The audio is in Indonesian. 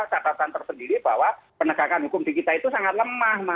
catatan tersendiri bahwa penegakan hukum di kita itu sangat lemah